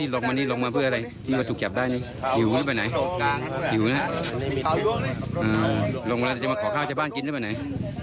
ลงมาจะมาขอข้าวชาวบ้านกินได้ไปไหน